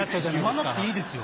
言わなくていいですよ